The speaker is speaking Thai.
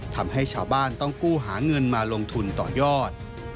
ทำให้ชาวบ้านต้องกู้หาเงินมาลงทุนต่อยอด